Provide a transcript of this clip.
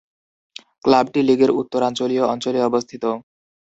ক্লাবটি লীগের উত্তরাঞ্চলীয় অঞ্চলে অবস্থিত।